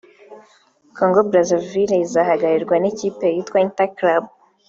Congo Brazaville izahagararirwa n’ikipe yitwa Interclub